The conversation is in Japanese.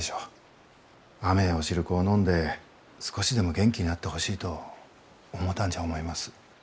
甘えお汁粉を飲んで少しでも元気になってほしいと思うたんじゃ思います。